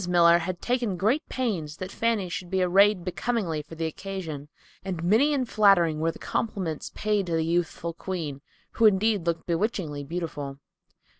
Miller had taken great pains that Fanny should be arrayed becomingly for the occasion, and many and flattering were the compliments paid to the youthful queen, who indeed looked bewitchingly beautiful.